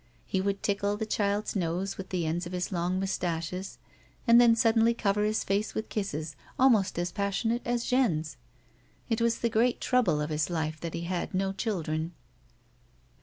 He would tickle the child's nose with the ends of his long moustaches, aud then suddenly cover his face with kisses almost as passionate as Jeanne's. It was the great trouble of his life that he had no children.